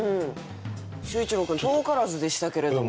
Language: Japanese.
秀一郎君遠からずでしたけれども。